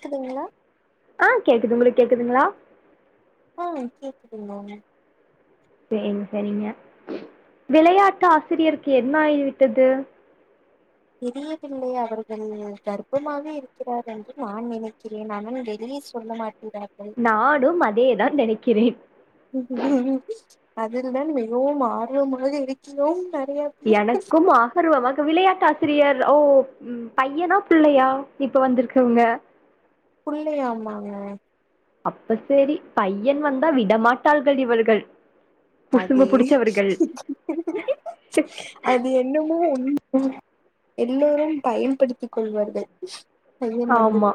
துங்களா ஆ கேக்குது உங்ளுக்கு கேக்குதுங்களா ஆ கேக்குதுங்கள செர் செரிங்க விளையாட்டு ஆசிரியருக்கு என்ன ஆயிவிட்டது தெரியவில்லை அவர்கள் கர்ப்பமாகவே இருக்கிறார் என்று நான் நினைக்கிறேன் அவன் வெளியே சொல்ல மாட் நானும் அதேதான் நினைக் கிற ஹூக் உம் ஹூக் உம் அதில் தான் மிகவும் ஆர்வமாக இருக்கிறோம் நெறைய பேர் எனக்கும் ஆகர்வமாக விளையாட்டு ஆசிரியர் ஓ பையனா பிள்ளையா இப்ப வந்திருக்குரவங்க புள்ளைய ஆமாங்க அப்ப சரி பையன் வந்தா விடமாட்டார்கள் இவர்கள் அது புசுங்கு ஹி புடிச்சவர்கள் க் ஹிம் அது என்னமோ எல்லோரும் பயன்படுத்திக் கொள்வார்கள் பையன் வந்து ஆமா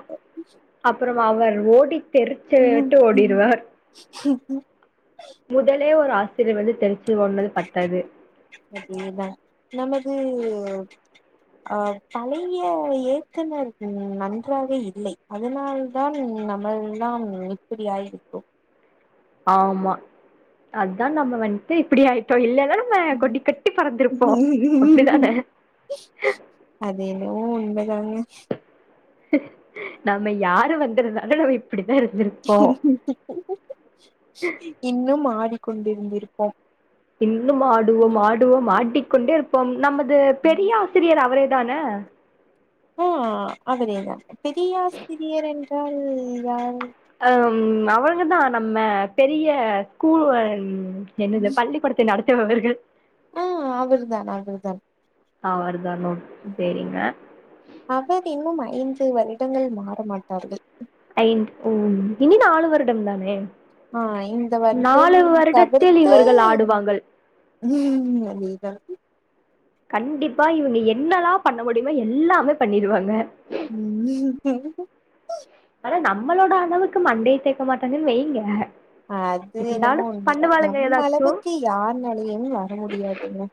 அப்புறம் அவர் ஓடி தெரிச்சட்டு ஓடிடுவார் உம் முதலே ஒரு ஆசிரியர் வந்து தெரி அதேதான் நமது அஹ் பழைய இயக்குனர் நன்றாக இல்லை அதனால்தான் நம்மல்லாம் இப்படியாயிருக்கும் ஆமா அதான் நம்ம வந்துட்டு இப்படி ஆயிட்டோம் இல்ல நம்ம கொட்டி கட்டி பறந்திருப்போம் அப்படிதானே உண்டுதான ஹூ ம் ஹூ லம் நம்ம யாரும் வந்துறனாலும் நம்ம இப்டிதா இருந்திருப்போ ஹூ க் ஹூ ம் இன்னும் மாடி கொண்டிருந்திருப்போம் இன்னும் ஆடுவோம் ஆடுவோம் மாட்டி கொண்ட இருப்போம் நமது பெரிய ஆசிரியர் அவர தானே ஆஹ் அடியேதான் பெரியாசிரியர் என்றால் யார் ஹம் அவங்கதான் நம்ம பெரிய ஸ்கூல் என்னது பள்ளி கொடுத்த நட அவர்கள் ஆஹ் அவருதான் அவருதான் ஆவரு அ தங்கும் மா ஐந்து வருடங்கள் மாற மாட்டார்கள் ஐ ம் இனி நாளு வருரிடம் தானே ஆஹ் இந்த வருடம் நாலு வருடத்தில் தவிர்த்து இவர்கள் ஆடுவாங்கள் உம் அதான் கண்டிப்பா இவங்க என்னல்லாம் பண்ண முடியுமோ எல்லாமே பண்ணிடுவாங்க ம் ஹூ க் ஹூம் ஆனா நம்மளோட அளவுக்கு மண்டை தேக்க மாட்டாங்க வைங்க அது இருந்தாலு என்னமோ உண்மைதானுக பண்ணுவாளுங்க நம்ம ஏதாச்சு அளவுக்கு யார்னாலயுமே வர முடியாதுங்க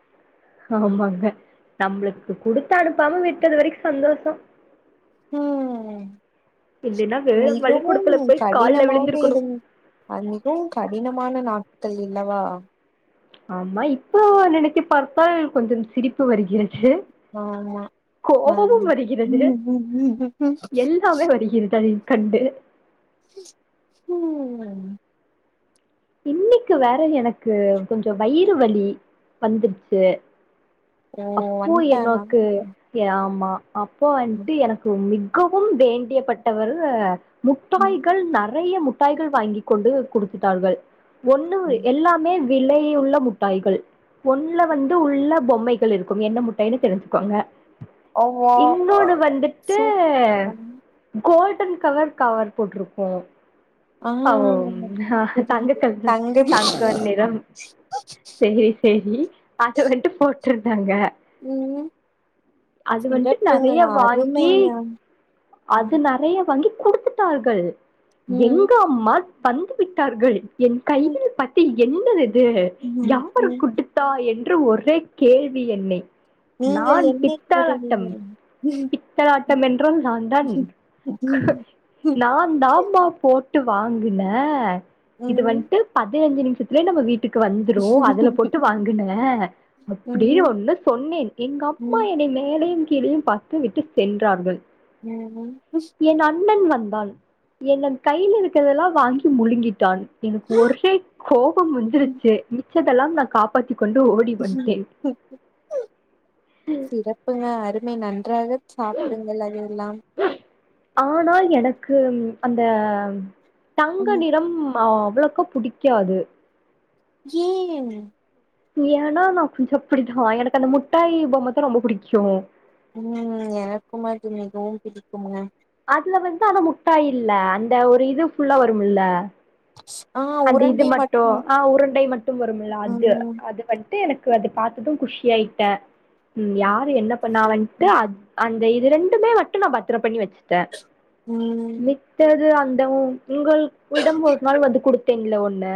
ஆமாங்க நம்மளுக்கு கொடுத்து அனுப்பாம விட்டது வரைக்கும் சந்தோஷம் ம் வேற மிகவும் பள்ளிக்கூடத்துல போய் கால்ல கடினமாக விழுந்திருக்கணு இருந்து அது மிகவும் கடி கடினமான நாட்கள் இல்லவா ஆமா இப்போ நினைச்சி பார்த்தால் கொஞ்சம் சிரிப்பு வருகிறது ஆமா ஆமா கோபமும் வருகிறது ம் எல்லாமே வருகிறது தனி கண்டு ம் இன்னைக்கு வேற எனக்கு கொஞ்சம் வயிறு வலி வந்துருச்சு ஓ அப்போ வன்ட்டானா என்னோக்கு ஆமா அப்போ வந்துட்டு எனக்கு மிகு மிகவும் வேண்டியப்பட்டவர் முட்டாய்கள் நெறை நெறைய முட்டாய்கள் வாங்கி கொண்டு கொடுத்துட்டார்கள் ஒண்ணும் எல்லாமே விலையுள்ள முட்டாய்கள் ஒண்ல வந்து உள்ள பொம்மைகள் இருக்கும் என்ன முட்டாய்ன்னு தெரிஞ்சுக்கோங்க அவ்வா இன்னொன்னு வந்துட்டு சூப்பர் கோல்டு எத்தன் கவர் கவர் போட்டிருக்கோம் ஆ அவ்வளவு என்ன தங்க புரியுது கல் தங்கதி தங்கம் நிறம் செரி செரி அது வந்துட்டு போட்டு சிரிச்சாங்க ம் அது வந்துட்டு சிறப்புங்க நெறைய வாங்கி அருமைங்க அது ம் நெறைய வாங்கி குடுத்துட்டார்கள் ம் ம் அம்மால் வந்து விட்டார்கள் என் ம் கையில் பட்டி என்னது இது ம் யார் ம். குடுத்தாய் என் இன்று ஒரே கேள்வி என்னை நீங்கள் நான் என்னை பித்தளாட்டம் கூறினீர்கள் ம் பித்தளாட்டம் என்றால் நான் தான் ம் ம் நான்தாமா போட் விட்டு வாங்குங்குக இது வந்துட்டு பதினஞ்சு நிமி இதுல என்ன நம்ம வீட்டு வீட்டுக்கு வந்துடும் அதுல போட்டு வாங்கினேன் அப்படினு ஒன்னு சொன்னேன் எங்க அம்மா ம் என்னை மேலையும் இது பார்த்து விட்டு சென்றார்கள் உஹம் ந்தால் எந்தன் கையில் க்கதெல்லா வாங்கி முழுங்கிட்டான் எனக்கு ஒருகே கோபம் வஞ்சிருச்சு ச்சதெல்லாம் நான் காப்பாத்தி கொண்டு ஓடி வந்ட்டேன் சிறப்புங்க அருமை நன்றாக சாப்டுங்கள் [unintelligible] ஆனால் எனக் க்கு அந்த தங்க ம் நிறம் ஆஹ் அவ்ளோக்கா புடிக்காது கேம் ஏனா நா கொஞ்சோ அப்டிதா எனக்கு அந்த முட்டாய் பொம்மதா ரொம்ப புடிக்கு உம் எனக்கும் அது மிகவும் பிடிக்குங்க அதுல வந்து ஆனா முட்டாய் இல்ல அந்த ஒரு இது ஃபுல்லா வருமல்ல ஆ அந்தி இது உருண்டை மட்டு மட்டும் ஆஹ் உருண்டை மட்டு வருமல்ல அது ம் அது ட்டு எனக்கு அது பாத்துட்டு குஷியாயிட்ட உம் யாரு என்ன பண்ணாவன்ட்டு சிறப்புங்க. அத் அந் இது ரெண்டுமே மட்டு நா பத்திர பண்ணி வச்சுட்ட ம் மித்தது பாத் இந்த உ உங்கள் ஒரு இடம் ஒரு நாள் வந்து கொடுத் டென்ல ஒண்ணு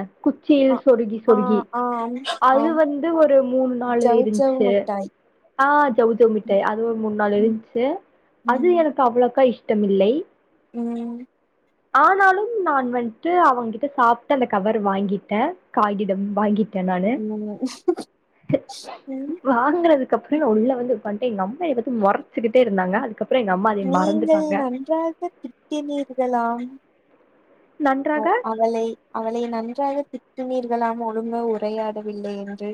ஆ குச்சியில் சொருகி ஆ சொருகி ஆம் அது ஆம் வந்து ஒரு மூணு நாள் ஜவ் ஜவ் இருந்ச்சு மிட்டாய் ஆஹ் ஜவு ஜவு மிட்டாய அது ஒரு மூணு நாள் ம் இருந்ச்சு அது ம் எனக்கு அவ்ளோக்கா இஷ் ட்டமில்லை உம் ஆனாலும் நான் வந்ட்டு அவ்ங்க கிட்ட சாப்பிட்டு அந்த கவர் வாங்கிட்ட காகிதம் வாங்கிட் உம் கப்றோ நா உள்ள வந்து உக்காண்ட்ட எங் அம்மா மொறச்சுக்கிட்டே இருந்தாங்க அ நீங்கள் நன்றாக திட்டினீர்களாம் ஹ நன்றாக அவளை அவளை நன்றாக திட்டுனீர்களாம் ஒழுங்கா உரையாடவில்லை என்று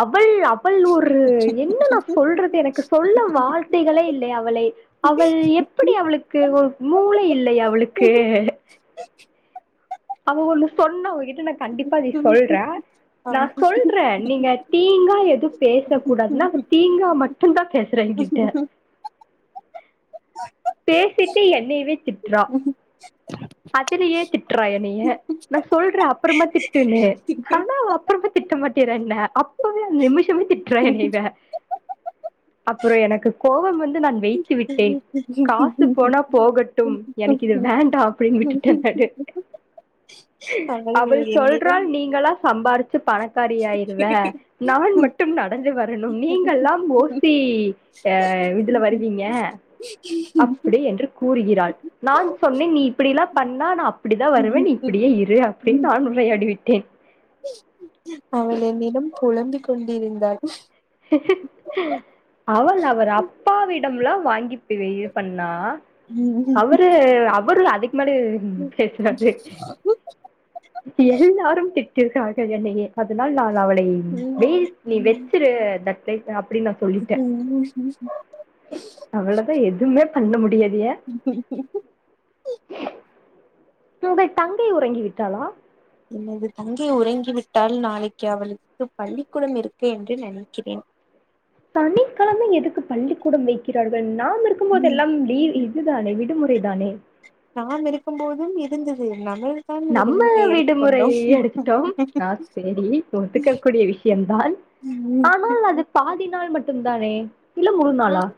அவள் அவள் ஒரு என்ன நா சொல்றது எனக்கு சொல்ல வார்த்தைகளே இல்லை அவளை அவள் எப்டி அவளுக்கு ஒரு மூளை இல்லை அவளுக்கு அவ ஒன்ன சொண்ண நா கண்டிப்பா அத சொல்ற நா சொல்ற நீங்க தீங்கா எதுவு பேச கூடாதுனா அவ தீங்க மட்டுந்தா பேசுறா என்கிட்ட பேசிட்டு என்னைவே திட்டுறா. அதுலயே திட்டுறா என்னைய நா சொல்ற அப்புறமா திட்டுனு ஆனா அப்புறமா திட்ட மாட்டீறா என்ன அப்பவே அந்த நிமிஷமே திட்றா என்னைவ அப்புறோ எனக்கு கோவம் வந்து நான் வைத்து விட்டேன் காசு போனா போகட்டும் எனக்கு இது வேண்டாம் அப்படின்னு விட்டுட்டேனடு ஆ அவள் என்னிடம் சொல்றாால் நீங்களா சம்பாதிச்சு பணக்காரி ஆயிருவேன் நான் மட்டும் நடந்து வரணும் நீங்க எல்லாம் ஓசி அஹ் இதுல வருவீங்க அப்படி என்று கூறுகிறாள். நான் சொன்னேன் நீ இப்படிலாம் பண்ணா நான் அப்படி தான் வருவேன் இப்படியே இரு அப்படின்னு நான் உரையாடிவிட்டேன். அவள் என்னினம் குழம்பி கொண்டிருந்தால் அவள் அவர் அப்பாவிட வாங்கி இப்பிடி பண்ணா அவரு அவரு அத [unintelligible] பேசுறாது எல்லாரும் [unintelligible] அவளை வெயில் நீ வச்சிரு லைக் அப்படின்னு நான் சொல்லிட்டேன் அவளதான் எதுவுமே பண்ண முடியாது ஏன் [unintelligible] உங்கள் தங்கை உறங்கி விட்டாளா எனது தங்கை உறங்கிவிட்டால் நாளைக்கு அவளுக்கு பள்ளிக்கூடம் இருக்கு என்று நினைக்கிறேன். தனிிக்கிழமை எதுக்கு பள்ளிக்கூடம் வைக்கிறார்கள். நாம் இருக்கும்போது எல்லாம் லீவு இது தானே விடுமுறை தானே நான் இருக்கும் போதும் இருந்து நம்ம விடுமுறை எடுத்துட்டோம். ஆஹ் சரி ஒத்துக்கக்க கூடிய விஷயம்தான் ஆனால் அது பா பின்னால் மட்டும் தானே உஹம்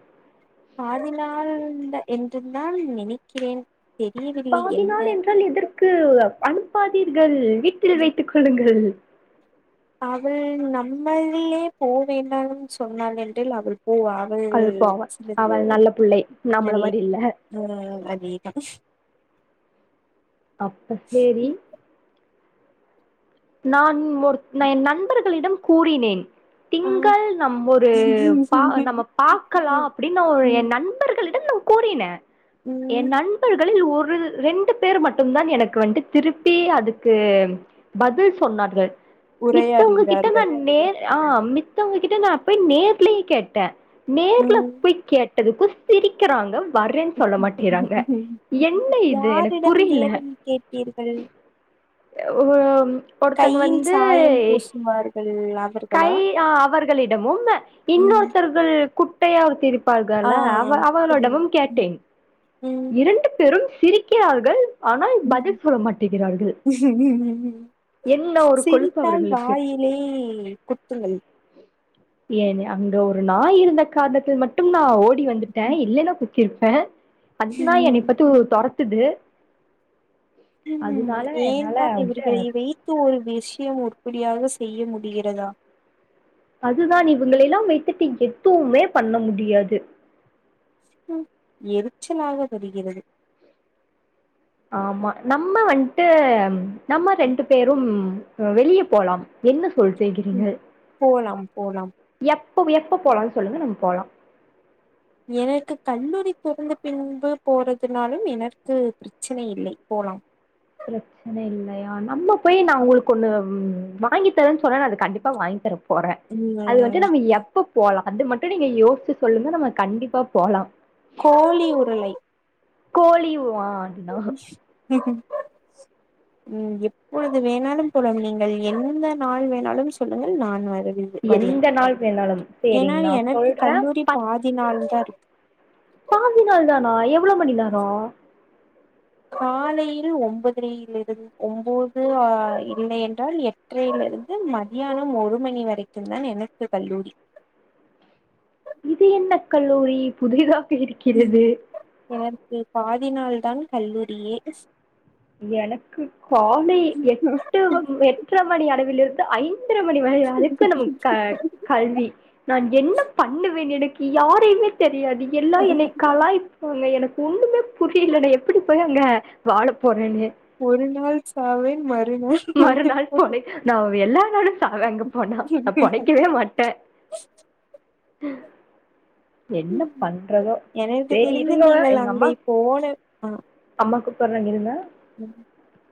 பதி நாள் இல்ல என்று நான் நினைக்கிறேன். தெரியவில்லை பாதி என்ன நாள் என்றால் எதற்கு அனுப்பாதீர்கள். வீட்டில் வைத்துக் கொள்ளுங்கள். அவள் நம்மள்ளிலே போ வேண்டான் சொன்னாள் என்றள் அவள் ஓ அவள் அழுப்பா அவ அவள் [unintelligible] நல்ல புள்ளை நம்மள மாரி இல்ல நல்லது ஓ அதிகிகம் அப்ப சேரி நான் ஒருன் என் நண்பர்களிடம் கூறினேன் ஆ திங்கள் நம் ஒரு பா நம்ம பாக்கலாம் ம் அப்பிடின்னு ஒரு என் ம் நண்பர்களிடம் நா கூறினே ம் என் நண்பர் களில் ஒரு ரெண்டு பேர் மட்டும் தான் எனக்கு வந்து திருப்பி அதுக்கு பதில் சொன்னார்கள் மித்தவுங்க கிட்ட உரையாடுகிறார்கள் நான் நேர் ஆஹ் மித்தவுங்ககிட்ட நான் போய் நேர்லயே கேட்டேன் நேர்ல ம் போய் கேட் எதுக்கோ சிரிக்கறாங்க வர்றேன்னு சொல்ல மாட்டிறாங்க என்ன இது எனக்கு யாரிடம் புரில நேரில் கேட்டீர்கள் ஒ ஒருத்தங்க கையில் வந்து சாயம் பூசுவார்கள் கை அவர்களா அ அவர்களிடமும் ம் இன்னொருத்தர்கள் குட் ட்டையா வச்சிருப் ஆ ப்பார்கலா அவ புரியுது அவகளிடமும் கேட்டேன் இரண்டு பேரும் சிரிக்கிறார்கள் ஆனால் பதில் சொல்ல மாட்டிகிறார்கள் ம் என்ன ஒரு கொழுப்பு சிரித்தால் அவர்களுக்கு வாயிலே குத்துங்கள் ஏன் அங்க ஒரு நாய் இருந்த காரணத்தில் மட்டும் நா ஓ டி வந்துட்டேன் இல்லன்னா குத்தி த்திருப்பேன் அந்த நாய் என்னைப்பத்தி ஒரு தொரத் துது உம் ஏன் தான் வந்துட்டு இவர்களை வைத்து ஒரு நி கழ்ச்சியும் உருப்படியாக செய்ய முடிகிறதா அதுதான் இவங்களை எல்லாம் வைத்துட்டு எப் துமே பண்ண முடியாது ஹும் எரிச்சலாக வருகிறது ஆம நம்ம வந்ட் ட்டு நம்ம ரெண்டு பேரும் அஹ் வெளிய போலாம் என்ன ம், சொல்கேகிறீர்கள் போலாம் போலாம் எப்ப எப்ப போலாம்னு சொல்லுங்க நம்ம போலாம் எனக்கு கல்லூரி பிறந்த பின்பு போறதுனாலும் எனக்கு பிரச்சனை இல்லை போலாம் பிரச்சனை இல்லையா நம்ம போய் நான் உங்களுக்கு ஒண்ணு வாங்கி தரேன்னு சொன்னா அது கண்டிப்பா வாங்கி தரேன் போறேன் அது வந்துட்டு ம் நம்ம எப்ப போலாம் அது மட்டும் நீங்க யோசிச்சு சொல்லுங்க நம்ம கண்டிப்பா போலாம் கோழி உருளை கோழி பாண்டினா உம் எப்பொழுது வேணாலும் போலும் நீங்கள் எந்த நாள் வேணாலும் சொல்லுங்கள் நான் வன் எந்த நாள் வேணாலும் ஏன்னா சரிங்க நான் எனக்கு சொல்றேன் கல்லூரி பாதி நாள் தான் பாதி நால்தானா எவ்வளோ மணி நேரம் காலையில் ஒன்பதரையிலிரு ஒன்பது ஆஹ் இல்லையென்றால் எட்டையிலிருந்து மத்தியானம் ஒரு மணி வரைக்கும் தான் எனக்கு கல்லூரி இது என்ன கல்லூரி புதிதா இருக்கிறது பாதினால் தான் கல்லூரியே எனக்கு காலை எட்டு எட்டரை மணி அளவில் இருந்து ஐந்து ந்திர மணி அதுக்கு நம் கல்வி நான் என்ன பண்ணுவேன் எனக்கு யாரையுமே தெரியாது எல்லாம் என்னை கலாயப்பாங்க எனக்கு ஒண்ணுமே புரியலனா எப்படி போய் அங்க வாழ போறேன் ஒரு நாள் சாவேன் மறுநாள் மறுநாள் பொனை நான் எல்லா நாளும் சாவே அங்க போனா நான் பொனைைக்கவே மாட்டேன் [inaudible] என்ன பண்றதோ எனக்கு சரி தெரிந்து இருங்களோ நீங்கள் எங்க அம்மா அங்கே போன அம்மாக்கு [inaudible] [inaudible]